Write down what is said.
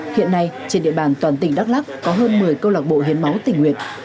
hiện nay trên địa bàn toàn tỉnh đắk lắc có hơn một mươi câu lạc bộ hiến máu tỉnh nguyện